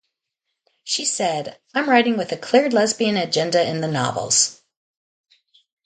She said, I'm writing with a clear lesbian agenda in the novels.